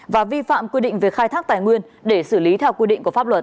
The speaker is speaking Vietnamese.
và vi phạm quy định về khai thác tài nguyên để xử lý theo quy định của pháp luật